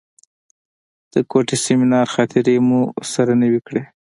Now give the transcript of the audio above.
د کوټې سیمینار خاطرې مو سره نوې کړې.